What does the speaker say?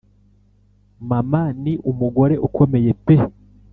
Mama ni umugore ukomeye pe